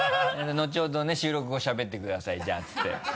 「後ほどね収録後しゃべってください」って言って。